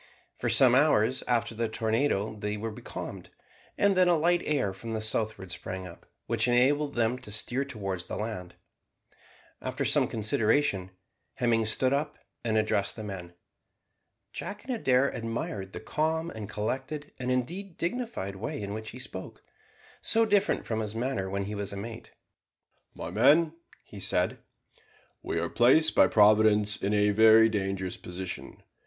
For some hours after the tornado they were becalmed, and then a light air from the southward sprang up, which enabled them to steer towards the land. After some consideration, Hemming stood up and addressed the men. Jack and Adair admired the calm and collected, and, indeed, dignified way in which he spoke, so different to his manner when he was a mate. "My men," he said, "we are placed by Providence in a very dangerous position.